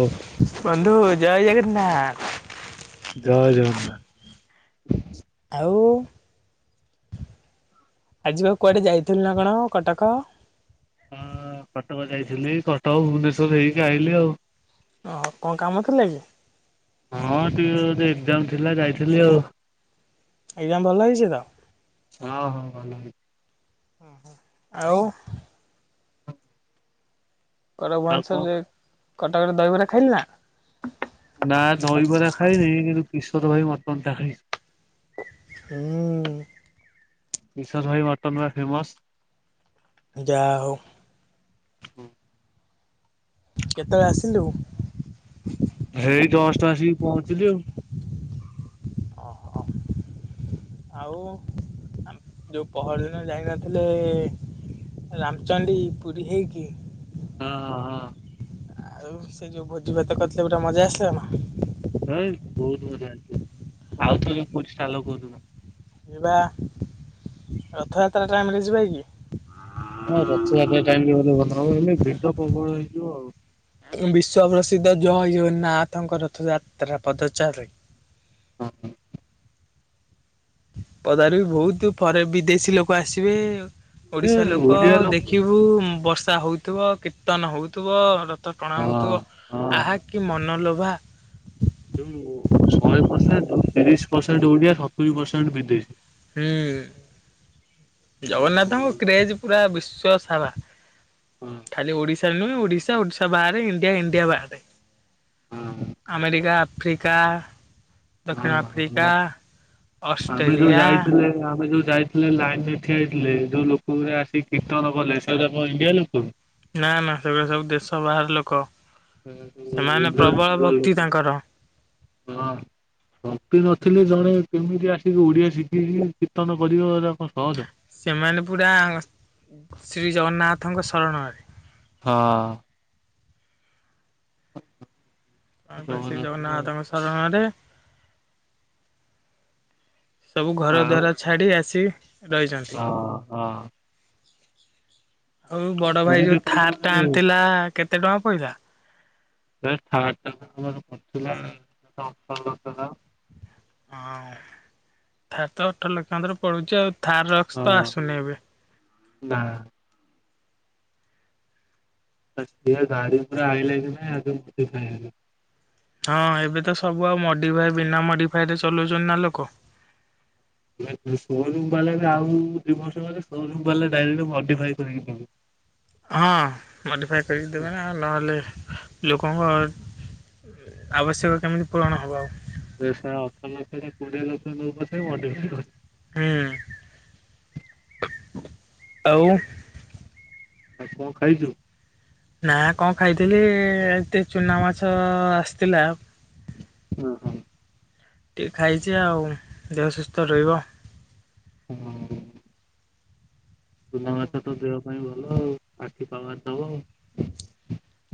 ଓ ବନ୍ଧୁ ଜୟ ଜଗନ୍ନାଥ। ଜୟ ଜଗନ୍ନାଥ୍। ଆଉ। ଆଜି ବା କୁଆଡ଼େ ଯାଇଥିଲୁ ନା କଣ କଟକ? ହଁ କଟକ ଯାଇଥିଲି କଟକ ଭୁବନେଶ୍ୱର ହେଇକି ଆଇିଲି ଆଉ। ଓ କଣ କାମ ଥିଲା କି? ହଁ ଟିକେ ଆଜି ଏକ୍ଜାମ୍ ଥିଲା ଯାଇଥିଲି ଆଉ। ଏକ୍ସାମ୍ ଭଲ ହେଇଚି ତ ହଁ ହଁ ଭଲ ହେଇଛି। ଆଉ କଟକ ଆଉ ଭୁବନେଶ୍ୱରରେ କଣ କଟକରେ ଦହିବରା ଖାଇଲୁ ନା? ନା ଦହିବରା ଖାଇନି କିନ୍ତୁ କିଶୋର ଭାଇ ମଟନ୍ ଟା ଖାଇ ହୁଁ। କିଶୋର୍ ଭାଇ ମଟନ୍ ପା ଫେମସ୍। ଯାହଉ। କେତେବେଳେ ଆସିଲୁ? ଏଇ ଜଷ୍ଟ୍ ଆସିକି ପହଞ୍ଚିଲି ଆଉ। ଓ ହୋ। ଆଉ ଆମ୍ -ଯଉ ପଅର୍ ଦିନ ଯାଇ ନଥିଲେ ରାମଚଣ୍ଡୀ ପୁରୀ ହେଇକି। ହଁ- ହଁ- ହଁ। ଆଉ ସେ ଯଉ ଭୋଜି ଭାତ କରିଥିଲେ ପୁରା ମଜା ଆସିଲା ନା? ଏଇ ବହୁତ୍ ମଜା ଆସିଥିଲା ଆଉ ଥରେ ପୁରୀ ଚାଲ କଉ ଦିନ। ଯିବା ରଥଯାତ୍ରା ଟାଇମ୍ ରେ ଯିବା କି? ହଁ ରଥଯାତ୍ରା ଟାଇମ୍ ରେ ଗଲେ ଭଲ ହବ ହେଲେ ଭିଡ ପ୍ରବଳ ହେଇଥିବ ଆଉ। ବିଶ୍ଵ ପ୍ରସିଦ୍ଧ ଜୟ ଜଗନ୍ନାଥଙ୍କ ରଥଯାତ୍ରା ପଦଚାର ରେ [inaudible] ପଦାରେ ବି ବହୁତୁ ଫରେ- ବିଦେଶୀ ଲୋକ ଆସିବେ। ଏ ଓଡିଶା ଲୋକ ଓଡିଆ ଦେଖିବୁ ବର୍ଷା ହଉଥିବ କୀର୍ତ୍ତନ ହଉଥିବ ର ରଥ ଟଣା ହଁ ହେଉଥିବ ହଁ। ଆହାଃ କି ମନଲୋଭା। ଶହେ ପର୍ସେଣ୍ଟ୍ ରୁ ତିରିଶ୍ ପର୍ସେଣ୍ଟ୍ ଓଡିଆ ସତୁରି ପର୍ସେଣ୍ଟ୍ ବିଦେଶୀ। ହୁଁ- ଜଗନ୍ନାଥଙ୍କ କ୍ରେଜ୍ ପୁରା ବିଶ୍ୱ ସାରା। ଖାଲି ଓଡିଶାରେ ନୁହେଁ ଓଡିଶା- ଓଡିଶା ବାହାରେ ଇଣ୍ଡିଆ- ଇଣ୍ଡିଆ ବାହାରେ। ଆମେରିକା, ଆଫ୍ରିକା ଦକ୍ଷିଣ ହଁ- ହଁ ଆଫ୍ରିକା ଆମେ ଯଉ ଅଷ୍ଟ୍ରେଲିଆ ଯାଇଥିଲେ ଆମେ ଯଉ ଯାଇ ହେଲେ ଲାଇନ୍ ରେ ଠିଆ ହେଇଥିଲେ ଯଉ ଲୋକଗୁରା ଆସି କୀର୍ତ୍ତନ କଲେ ସେରା କଣ ଇଣ୍ଡିଆ ଲୋକ? ନା- ନା ସେଗୁରା ସବୁ ଦେଶ ବାହାର ଲୋକ ହଁ ସେମାନେ ପ୍ରବଳ ଭକ୍ତି ତାଙ୍କର। ହଁ। ଭକ୍ତି ନଥିଲେ ଜଣେ କେମିତି ଆସିକି ଓଡ଼ିଆ ଶିକିକି କୀର୍ତ୍ତନ କରିବ ଏଟା କଣ ସହଜ। ସେମାନେ ପୁରା ଶ୍ରୀଜଗନ୍ନାଥଙ୍କ ଶରଣରେ। ହଁ। [unintelligible] ଶ୍ରୀ ଜଗନ୍ନାଥ ଜଗନ୍ନାଥଙ୍କ [unintelligible] ସବୁ ଘର ଆଉ ଦ୍ୱାରା ଛାଡି ଆସି ରହିଛନ୍ତି। ହଁ- ହଁ। ଆଉ ବଡ ଭାଇ ପୁରୀରେ ଯଉ କୋଉଠି ଥାର୍ ଟା ଗୋଟେ ଆଣିଥିଲା କେତେ ଟଙ୍କା ପଇଲା? ସେ ଥାର୍ ଟା ତ ଆମର ପଡିଥିଲା [unintelligible] ହଁ ଥାର୍ ତ ଅଠର ଲକ୍ଷ [unintelligible] ପଡୁଚି ଆଉ ଥାର୍ ରକ୍ସ୍ ହଁ ତ ଆସୁନି ଏବେ। [unintelligible] ଗାଡ଼ି ପୁରା ଆଇଲେ [unintelligible] ହଁ ଏବେ ତ ସବୁ ଆଉ ମଡିଫାଏ ବିନା ମଡିଫାଏ ରେ ଚଲଉଛନ୍ତି ନା ଲୋକ। ସୋରୁମ୍ ବାଲାରେ ଆଉ ଦୁଇ ବର୍ଷ ହେଲେ ସୋ ରୁମ୍ ବାଲା ମଡିଫାଇ କରିକିି ପିନ୍ଧି ହଁ, ମଡ଼ିଫାଏ କରିକି ଦେବେ ନା ନହେଲେ ଲୋକଙ୍କ ଆବଶ୍ୟକ କେମିତି ପୂରଣ ହବ ଆଉ? [unintelligible] ନଉ ପଛେ ମଡିଫାଏ କରିକି ହୁଁ, ଆଉ ଆଉ କଣ ଖାଇଚୁ? ନା କଣ ଖାଇଥିଲି ଏତେ ଚୁନା ମାଛ ଆସିଥିଲା। ଅଁ ହଁ। ଟିକେ ଖାଇଚି ଆଉ ଦେହ ସୁସ୍ଥ ରହିବ। ଉଁ ହୁଁ ଚୁନା ମାଛ ତ ଦେହ ପାଇଁ ଭଲ ଆଉ ଆଖି ପାୱାର ଦବ।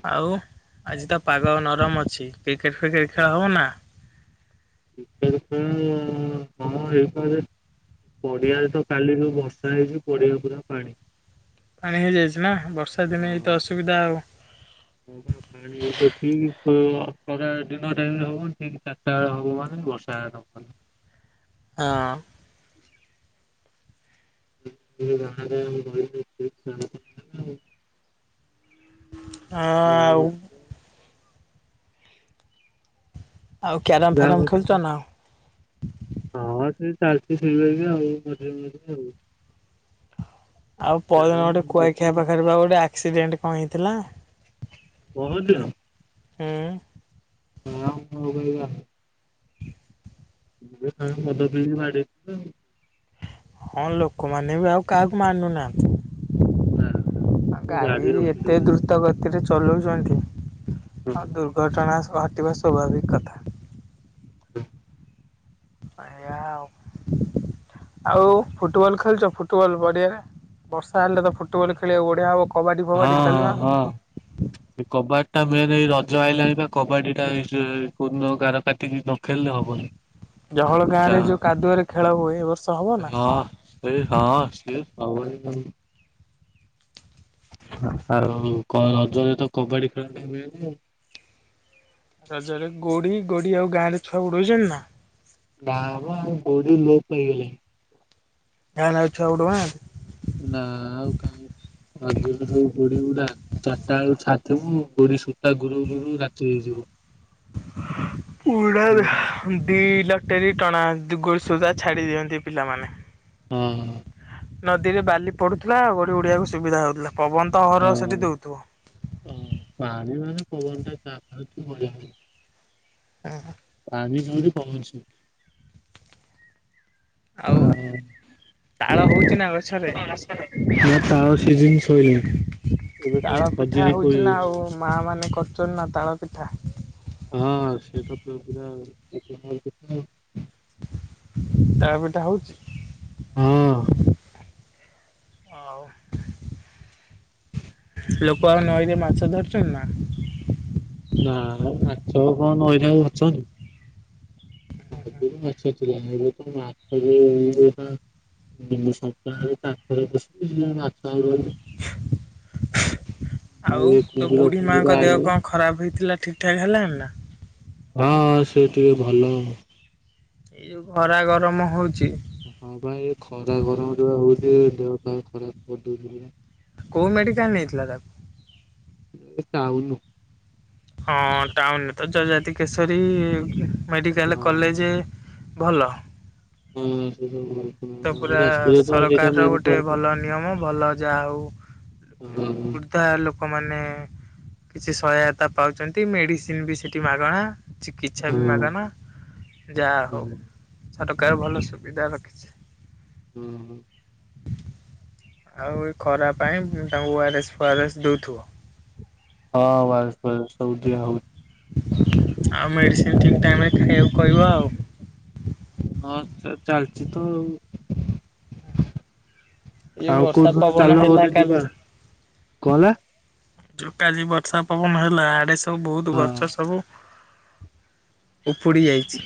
ଆଉ, ଆଜି ତ ପାଗ ନରମ ଅଛି କ୍ରିକେଟ ଫ୍ରିକେଟ ଖେଳ ହବ ନା? କ୍ରିକେଟ [inaudible] ଖେଳ ହଁ ଏଇପରେ, ପଡିଆରେ ତ କାଲି ଯୋଉ ବର୍ଷା ହେଇଛି ପଡିଆ ପୁରା ପାଣି। ପାଣି ହେଇଯାଇଛି ନା ବର୍ଷା ଦିନେ ଏଇତ ଅସୁବିଧା ଆଉ। [unintelligible] ଠିକ [unintelligible] ଚାରିଟା ବେଳେ ହଉ ମାନେ ବର୍ଷା ଅଛି। [unintelligible] ଆଁ [unintelligible] ହାଁ- ଆଉ ଆଉ କ୍ୟାରମ୍ ଫ୍ୟାରମ୍ ଯାହା ଖେଳୁଚନା ଆଉ? ହଁ ସେ ଚାଲିଚି ସେଇଭଳିଆ ବି ଆଉ ମଝିରେ ମଝିରେ ଆଉ। ଆଉ ପରଦିନ ଗୋଟେ କ୍ୟାରମ କୁଆଖିଆ ପାଖରେ ପରା ଗୋଟେ ଆକ୍ସିଡେଣ୍ଟ କଣ ହେଇଥିଲା? ବହୁତ ଦିନର। ହୁଁ- ହଁ [unintelligible] [unintelligible] ମଦ ପିଇକି ବାଡ଼େଇଥିବେ ଆଉ ହଁ ଲୋକମାନେ ବି ଆଉ କାହାକୁ ମାନୁନାହାନ୍ତି। ନା ଗାଡି ଏତେ ଦ୍ରୁତ ଗତ୍ ତିରେ ଚଲଉଛନ୍ତି ହଁ ଆଉ ଦୁର୍ଘଟଣା ଘଟିବା ସ୍ୱାଭାବିକ କଥା। [unintelligible] ଆ ଉ [unintelligible] ଆଉ ଫୁଟବଲ ଖେଳିଚ ଫୁଟବଲ ପଡିଆରେ ବର୍ଷା ହେଲେ ତ ଫୁଟବଲ ଖେଳିବାକୁ ବଢିଆ ହବ। କବାଡ଼ି ଫବାଡ଼ି ଖେଳିନ ହଁ ହଁ। କବାଡି ଟା ମେନ ଏଇ ରଜ ଆଇଲାଣି ପା କବାଡି ଟା କୋଉଦିନ ଗାର କାଟିକି ନ ଖେଳିଲେ ହବନି। ଜହଳ ଗାଁ କା ରେ ଯୋଉ କାଦୁଅରେ ଖେଳ ହୁଏ ଏ ବର୍ଷ ହବ ନା? ହଁ [unintelligible] ଆଉ ରଜରେ ତ କବାଡି ଖେଳ [unintelligible] ରଜରେ ଗୋଡି ଗୋଡି ଆଉ ଗାଁ ରେ ଛୁଆ ଉଡଉଛନ୍ତି ନା? ନାମ ଆଉ ଗୋଡ଼ି ଲୋପ ପାଇଗଲାଣି। ଗାଁ ରେ ଆଉ ଛୁଆ। [unintelligible] ନା ଆଉ କାହିଁ ଆଗରୁ ଯୋଉ ଗୁଡ଼ି ଉଡ଼ାଚାରିଟା ବେଳୁ ଛାଥିବୁ ଗୁଡି ତା ଗୁରୁ ଗୁରୁ ରାତି ହେଇଯିବ। ହଁ। ଉଡ଼ାଦ ଦି ଲଟେରୀ ଟଣା ଗୋଡ଼ ସୁଧା ଛାଡ଼ି ଦିଅନ୍ତି ପିଲାମାନେମ ଓ ହ। ନଦୀରେ ବାଲି ପଡୁଥିଲା ଗୁଡି ଉଡିବାକୁ ସୁବିଧା ହଉଥିଲା ପବନ ତ ଅହରହ ସେଠି ଦଉଥିବ। ଓ ପାଣି ମାନେ ପବନ ଟା [unintelligible] ଆ ହା। ପାଣି ଯେମିତି ପବନ ସେମିତି। ଆଉ ସେଠି। ତାଳ ହଉଚି ନା ଗଛରେ? ଆ ତାଳ ସିଜିନ୍ ତାଳ ପିଠା କୋଳି ହଉଚି ନା ହଉଛି। ଆଉ ମା ମାନେ କରୁଚନ୍ତି ନା ତାଳ ପିଠା? ହଁ ସେତ ପୁରା [unintelligible] ତାଳ ପିଟା ହଉଛି? ହଁ। ଆଉ? ଲୋକ ଆଉ ନଈରେ ମାଛ ଧରୁଚନ୍ତି ନା? ନା ମ ମାଛ କଁ ନଈ ରେ ଆଉ ଅଛନ୍ତି। ଆଗରୁ ମାଛ ଥିଲା, ଏବେ ତ ମାଛ [unintelligible] [inaudible] ଆଉ ତୋ ବୁଢୀ ମାଙ୍କ ଦେହ କଣ [inaudible] ଖରାପ ହେଇଥିଲା ଠିକ୍ ଠାକ୍ ହେଲାଣି ନା? ହଁ ସେ ଟିକେ ଭଲ। ଇଏ ଖରା ଗରମ ହଉଚି। ହଁ ପା ଏ ଖରା ଗରମ ଯ ହଉଚି ଦେହ ପା ଖରାପ କରିଦଉଚି। କଉ ମେଡିକାଲ ନେଇଥିଲା ତାକୁ? ଟାଉନୁ। ହଁ ଟାଉନ୍ ରେ ତ ଜଜାତି କେଶରୀ ମେଡିକାଲ୍ କଲେଜେ ଭଲ। ହୁଁ [unintelligible] ତ ପୁରା ସରକାରର ଗୋଟେ ପ୍ରୋବ୍ଲେମ୍। ଭଲ ନିୟମ ଭଲ ଯାହା ହଉ ହୁଁ ହୁଁ। ତା ଲୋକମାନେ କିଛି ସହାୟତା ପାଉଚନ୍ତି ମେଡ଼ିସିନ୍ ବି ସେଠି ମାଗଣା। ଚିକିତ୍ସା ବି ହଁ ମାଗନା ଯାହା ହଉ ହଁ ସରକାର ଭଲ ସୁବିଧା ରଖିଛି। ହୁଁହୁଁ। ଆଉ ଏ ଖରା ପାଇଁ ତାଙ୍କୁ ଓ ଆର୍ଏସ୍ ଫଆରଏସ୍ ଦଉଥୁବ। ହଁ [unintelligible] ହଉଛି ଆଉ ମେଡିସିନ ଠିକ୍ ଟାଇମ୍ ରେ ଖାଇବାକୁ କହିବ ଆଉ। ହଁ ଚା ଚାଲ୍ଚି ତଆଉ। ଏଇ ଆଉ ବର୍ଷା କୋଉଦିନ ପବନ ଚାଲୁନୁ ଗୋଟେ ଯିବା କଁ ହେଲା? ଯଉ କାଲି ବର୍ଷା ପବନ ହେଲା ଆଡେ ସବୁ ବହୁତ୍ ହେଲା ହଁ ଗଛ ସବୁ ଉପୁଡ଼ିଯାଇଛି।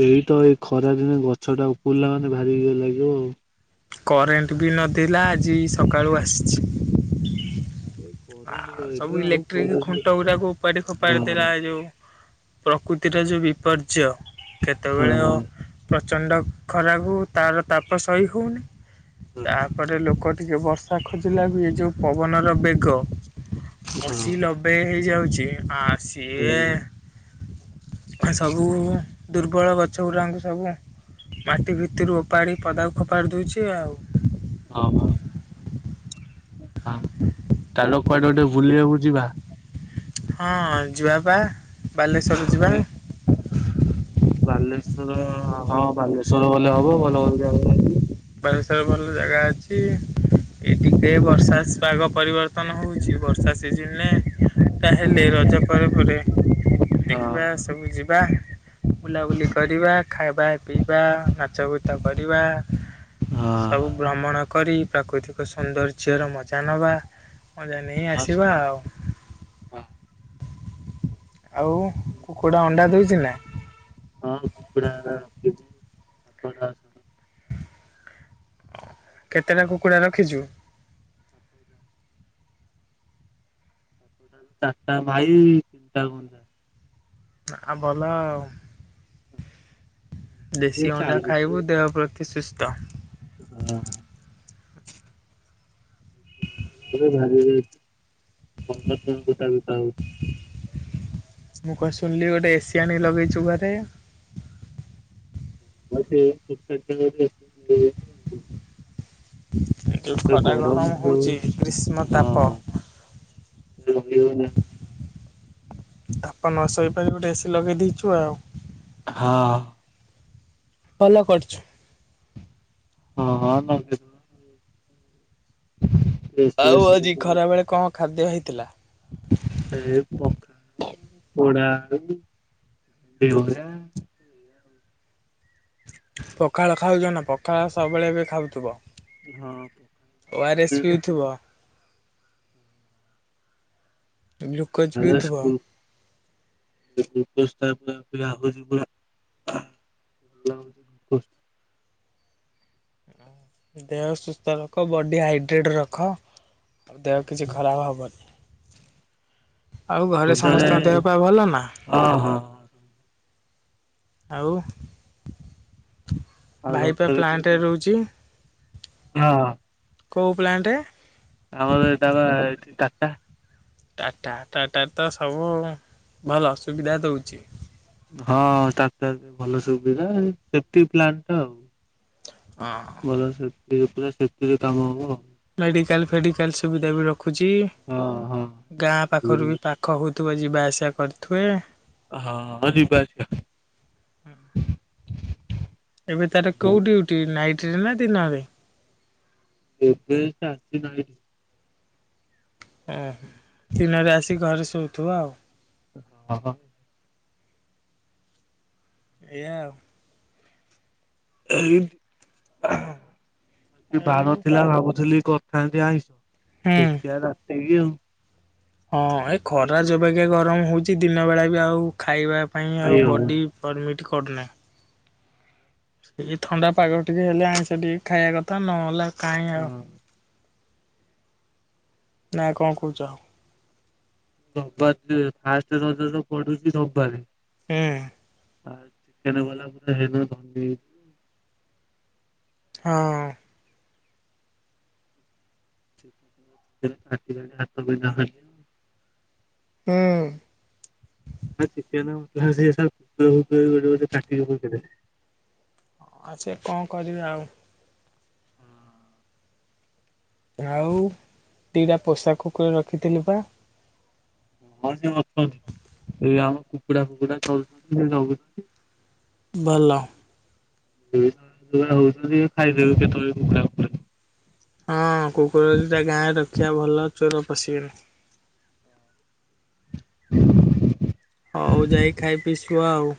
ଏଇତ ଏଇ ଖରା ଦିନେ ଗଛ ଟା ଉପୁଲା ମାନେ ଭାରିଇଏ ଲାଗିବ ଆଉ। କରେଣ୍ଟ ବି ନଥିଲା ଆଜି ସକାଳୁ ଆସିଛି। ହୁଁ ଆଉ ସବୁ ଇଲେକ୍ଟ୍ରିକ ଖୁଣ୍ଟ ଗୁଡାକୁ ଉପାଡ଼ି ହଁ ଖୋପାଡ଼ି ଦେଲା ଏ ଯୋଉ ପ୍ରକୃତିର ଯୋଉ ବିପର୍ଯ୍ୟୟ ହଁ କେତେବେଳେ ହଁ ହୁଁ ପ୍ରଚଣ୍ଡ ଖରାକୁ ତାର ତାପ ସହି ହଉନି ତାପରେ ଲୋକ ଟିକେ ବର୍ଷା ଖୋଜିଲା ବି ଏ ଯୋଉ ପବନର ବେଗ ଅଶି ନବେ ହେଇଯାଉଛି ଆ ସିଏ ସବୁ ଦୁର୍ବଳ ଗଛ ଗୁଡାଙ୍କୁ ସବୁ ମାଟି ଭିତରୁ ଓପାଡି ପଦା କୁ ଫୋପାଡ଼ି ଦଉଛି ଆଉ ହ ହ ଚାଲ କୁଆଡେ ଗୋଟେ ବୁଲିବାକୁ ଯିବା ହଁ ଯିବା ବା ବାଲେଶ୍ଵର ଯିବା ବାଲେଶ୍ଵର ହଁ ବାଲେଶ୍ଵର ଗଲେ ହବ ଭଲ କ ଜାଗ ବାଲେଶ୍ୱର ଭଲ ଜାଗା ଅଛି ଏଇ ଟିକେ ବର୍ଷା ପାଗ ପରିବର୍ତ୍ତନ ହଉଛି ବର୍ଷା ସିଜିନରେ ତା ହେଲେ ରଜ ପରେ ପରେ ହଁ ଦେଖିବା ସବୁ ଯିବା ବୁଲାବୁଲି କରିବା ଖାଇବା ପିଇବା ନାଚ ଗୁତ କରିବା ହଁ ସବୁ ଭ୍ରମଣ କରି ପ୍ରାକୃତିକ ସୌନ୍ଦର୍ଯ୍ୟର ମଜା ନବା ଅଣ୍ଡା ନେଇ ଆସିବା ଆଉ ଆଉ କୁକୁଡ଼ା ଅଣ୍ଡା ଦଉଛି ନା [unintelligible] କେତେଟା କୁକୁଡ଼ା ରଖିଛୁ ହହୁଦ ଚାରିଟା ମାଇ ତିଣ୍ଟା ଗଞ୍ଜା ଆ ଭଲ ଆଉ ଏ ଦେଶୀ ଅଣ୍ଡା ଚାଲିଛି। ଖାଇବୁ ଦେହ ପ୍ରତି ସୁସ୍ଥ ହୁଁ [inaudible] ଭାରି ଯାଇଛି ଭ କଟ ବି ପାଉଛି ମୁଁ କଣ ଶୁଣିଲି ଗୋଟେ ଏସି ଆଣି ଲଗେଇଛୁ ଘରେ [unintelligible] ଯୋଉ ଖରା ଗରମ ଯୋଉ ହଉଛି ଗ୍ରୀଷ୍ମ ହଁ ତାପ [unintelligible] ତାପ ନ ସୋଇପାରିବ ଗୋଟେ ଏସି ଲଗେଇ ଦେଇଛୁ ଆଉ ହଁ ଭଲ କରିଛୁ ହଁ ହଁ ତମ [unintelligible] ଏସିରେ ଆଉ ଆଜି ଶୋଇବୁ ଖରା ବେଳେ କଣ ଖାଦ୍ୟ ହେଇଥିଲା ଏ ପଖାଳ ପୋଡ଼ା ଆଳୁ [unintelligible] [inaudible] ପଖାଳ ଖାଉଛ ନା ପଖାଳ ସବୁବେଳେ ଏବେ ଖାଉଥିବ ହଁ। ଓ ଆର୍ ଏସ୍ ପିଉ ଥିବ ଗ୍ଲୁକୋଜ ପିଉଥିବ। [unintelligible] [unintelligible] ଦେହ ସୁସ୍ଥ ରଖ ବଡି ହାଇଡ୍ରେଟ ରଖ। ଦେହ କିଛି ଖରାପ ହବନି। ଆଉ ଘରେ ରଜରେ ସମସ୍ତଙ୍କ ଦେହ ପା ଭଲ ନା? ହଁ। ହଁ। ଆଉ ଆଉ ଭାଇପା ରଜରେ ପ୍ଲାଣ୍ଟରେ କୋଉଠୁ ରୋହୁଚି। ହଁ [inaudible] କୋଉ ପ୍ଲାଣ୍ଟେ? ଆମର ଏଇଟା ବା ଟାଟା। ଟାଟା ଟାଟା ତ ସବୁ [inaudible] ଭଲ ସୁବିଧା ଦୋଉଚି। ହଁ ଟାଟା ରେ ଭଲ ସୁବିଧା ସେପ୍ଟି ପ୍ଲାନ୍ ଟ ଆଉ। ହଁ। ହଁ। ଭଲ ସେପ୍ଟି ଡ୍ରେସ ସେପ୍ଟି ରେ କାମ ହବ। ମେଡିକାଲ ଫେଡିକାଲ ସୁବିଧା ବି ରଖୁଛି। ହଁ ହଁ। [inaudible] ଗାଁ ହଁ ପାଖରୁ ବି ଯିବା ପା ଖ ହଉଥିବ, ଯିବା ଆସିବା କରୁଥିବେ ହଁ। ହଁ ଯିବା ଆସିବା [inaudible] ଏବେ ତାର କୋଉ ଡିଉଟି ନାଇଟ ରେ ନା ଦିନ ରେ? ଏବେ ତା ର ଦିନ ହେଇ ଏଁ [inaudible] ଦିନରେ ଆସିି ଘରେ ଶୋଉଥିବ ଆଉ। ହଁ। ହଁ। ଏଇଆା ଆଉ। ଏଁ [inaudible] ଆଉ ବାର ଥିଲା ଭାବୁଥିଲି କରି ଥାନ୍ତି ଆଇଁସ। ହୁଁ। ଦେଖିବା ରାତିକି ଆଉ ହଁ। ଏ ଖରା ଯୌବାଗିଆ ଗରମ ହୋଉଚି ଦିନ ବେଳା ବି ଆଉ ଖାଇବା ପାଇଁ ଖାଇ ଆଉ ବଡି ହବନି ପରମିଟ୍ କରୁ ନାଇ। ଏଇ ଥଣ୍ଡା ପାଗ ଟିକେ ହେଲେ ଆଇଁଷ ଟିକେ ଖାଇବା କଥା ନହେଲେ କାହିଁ ଆଉ ହଁ। [inaudible] ନା କଣ କହୁଚ? ରବିବାର ଦି ଫାଷ୍ଟେ [unintelligible] ପଡୁଚି ରବିବାରେ। ଉଁ। [unintelligible] ହଁ। [unintelligible] ହୁଁ। [unintelligible] ଆଉ ସେ କଣ କରିଵେ ଆଉ। ଆଉ। [inaudible] ଦିଟା ପୋଷା କୁକୁର ରଖିଥିଲୁ ପା। ହଁ ସେ ଅଛନ୍ତି। [inaudible] ଏ ଆମ କୁକୁଡ଼ା ଫୁକୁଡା ଖାଉଛନ୍ତି ଯେ ଚଗୁଛନ୍ତି। ଭଲ। [unintelligible] ଖାଇଦେଵେ କେତେବେଳେ କୁକୁଡ଼ା ପୁକୁଡା। ହଁ କୁକୁର ଦିଟା ଗାଁରେ ରଖିବା ଭଲ। ଚୋର ପଶିବେନି। [inaudible] ହୋଉ ଯାଇ ଖାଇ ପିଇ ସୁଅ ଆଉ।